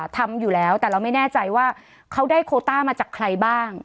ทำอยู่แล้วแต่เราไม่แน่ใจว่าเขาได้โคต้ามาจากใครบ้าง